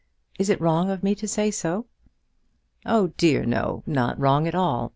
Is it wrong of me to say so?" "Oh, dear, no; not wrong at all.